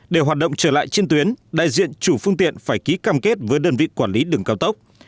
để hoạt động trở lại trên tuyến đại diện chủ phương tiện phải ký cam kết với đơn vị quản lý đường cao tốc